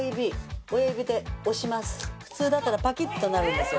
普通だったらパキッとなるんですよ。